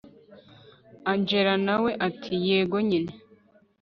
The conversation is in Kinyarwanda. angella nawe ati yego nyine